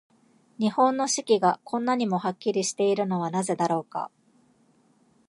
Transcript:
日本の四季が、こんなにもはっきりしているのはなぜだろうか。